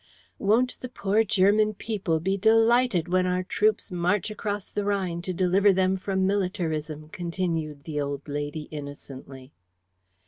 "Won't the poor German people be delighted when our troops march across the Rhine to deliver them from militarism," continued the old lady innocently.